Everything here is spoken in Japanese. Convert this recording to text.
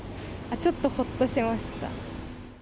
ちょっとほっとしました。